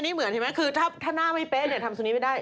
อันนี้เหมือนใช่ไหมคือถ้าหน้าไม่เป๊ะเดี๋ยวทำส่วนนี้ไม่ได้